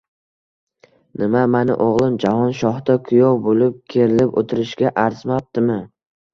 Nima, mani o`g`lim Jahonshohda kuyov bo`lib, kerilib o`tirishga arzimabdimi